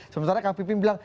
sementara kak pipim bilang